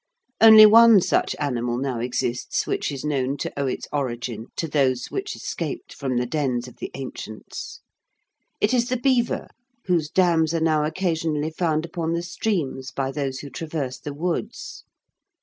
Only one such animal now exists which is known to owe its origin to those which escaped from the dens of the ancients. It is the beaver, whose dams are now occasionally found upon the streams by those who traverse the woods.